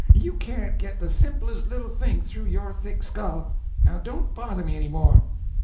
You can't get the simplest little thing through your thick skull. Now don't bother me any more."